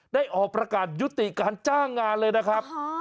ได้ออกประกาศยุติการจ้างงานเลยนะครับ